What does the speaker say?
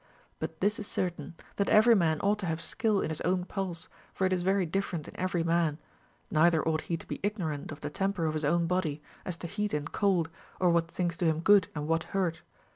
But this is certain, that CA^ery man ought to have skill in his own pulse, for it is very different in every man ; neither ought he to be ignorant of the tem per of his own body, as to heat and cold, or what things do him good, and what hurt.